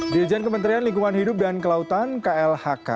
dirjen kementerian lingkungan hidup dan kelautan klhk